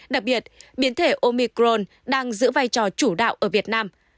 đặc biệt biến thể omicron đang giữ vai trò chủ đạo ở việt nam